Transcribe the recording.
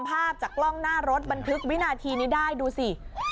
ภาพจากกล้องหน้ารถบันทึกวินาทีนี้ได้ดูสิ